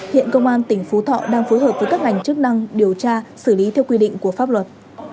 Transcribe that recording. hiện công an tỉnh phú thọ đang phối hợp với các ngành chức năng điều tra xử lý theo quy định của pháp luật